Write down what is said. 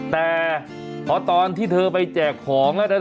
แต่พอตอนที่เธอไปแจกของแล้วนะ